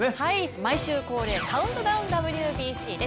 毎週恒例カウントダウンＷＢＣです。